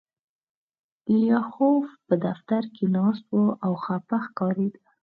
لیاخوف په دفتر کې ناست و او خپه ښکارېده